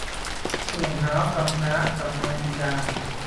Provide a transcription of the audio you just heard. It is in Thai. ส่วนท้าวกำพร้ากับนางสีดา